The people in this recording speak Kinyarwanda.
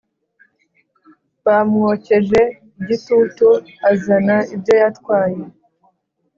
Bamwokeje igitutu azana ibyo yatwaye